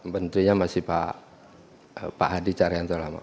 menterinya masih pak hadi caryanto lama